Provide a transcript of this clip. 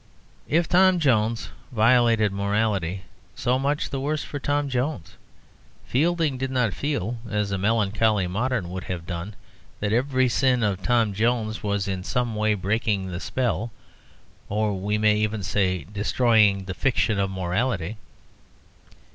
If Tom Jones violated morality, so much the worse for Tom Jones. Fielding did not feel, as a melancholy modern would have done, that every sin of Tom Jones was in some way breaking the spell, or we may even say destroying the fiction of morality.